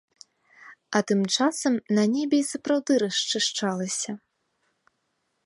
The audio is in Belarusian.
А тым часам на небе і сапраўды расчышчалася.